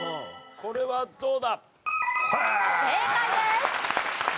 これどうだ？